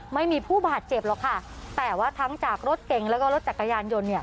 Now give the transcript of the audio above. ไม่มีผู้บาดเจ็บหรอกค่ะแต่ว่าทั้งจากรถเก่งแล้วก็รถจักรยานยนต์เนี่ย